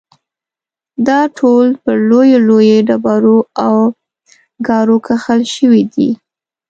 دا ټول پر لویو لویو ډبرو او ګارو کښل شوي دي.